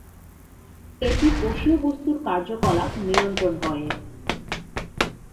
এটি কোষীয় বস্তুর কার্যকলাপ নিয়ন্ত্রণ করে।